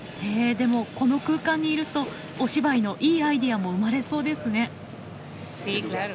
でもこの空間にいるとお芝居のいいアイデアも生まれそうですね。